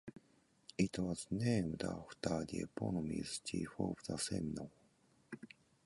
It was named after the eponymous chief of the Seminole.